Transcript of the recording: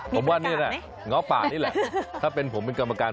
ผมว่านี่แหละง้อป่านี่แหละถ้าเป็นผมเป็นกรรมการ